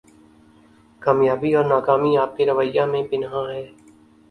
کامیابی اور ناکامی آپ کے رویہ میں پنہاں ہے